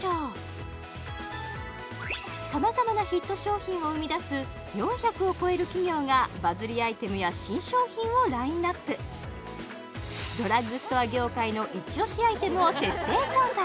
さまざまなヒット商品を生み出す４００を超える企業がバズりアイテムや新商品をラインナップドラッグストア業界のイチオシアイテムを徹底調査